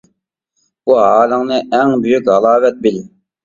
بۇ ھالىڭنى ئەڭ بۈيۈك ھالاۋەت بىل.